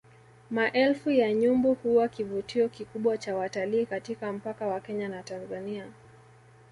Maelfu ya nyumbu huwa kivutio kikubwa cha watalii katika mpaka wa Kenya na Tanzania